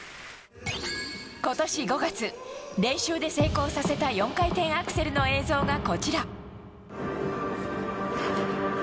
ことし５月、練習で成功させた４回転アクセルの映像がこちら。